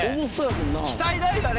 期待大だね。